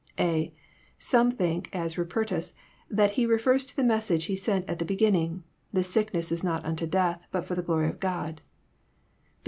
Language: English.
(a) Some think, as Hupertus, that He refers to the message He sent at the beginning: *'This sickness is not unto death, but for the glory of God."